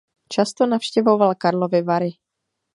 Často navštěvoval Karlovy Vary.